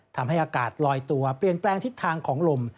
ทำให้อากาศลอยตัวเปลี่ยนแปลงทิศทางของลม